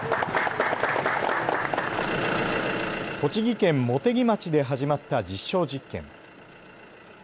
栃木県茂木町で始まった実証実験。